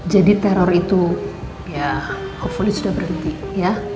jadi teror itu ya semoga sudah berhenti ya